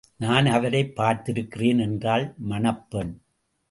நான் அவரைப் பார்த்திருக்கிறேன் என்றாள் மணப்பெண்.